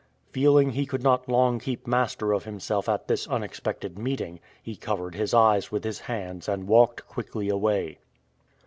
Feeling he could not long keep master of himself at this unexpected meeting, he covered his eyes with his hands and walked quickly away.